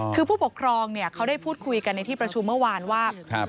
คือผู้ปกครองเนี่ยเขาได้พูดคุยกันในที่ประชุมเมื่อวานว่า